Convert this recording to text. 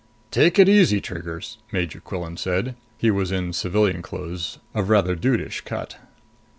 "Take it easy, Trigger!" Major Quillan said. He was in civilian clothes, of rather dudish cut.